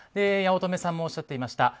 八乙女さんもおっしゃっていました